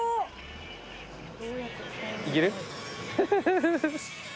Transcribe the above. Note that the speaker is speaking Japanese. いける？